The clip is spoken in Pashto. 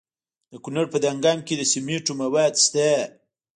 د کونړ په دانګام کې د سمنټو مواد شته.